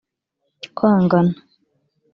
Kwangana